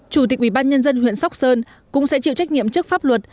chủ tịch ủy ban nhân dân huyện sóc sơn cũng sẽ chịu trách nhiệm trước pháp luật